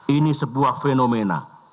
ini sebuah fenomena